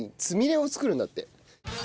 つみれを作るんだって。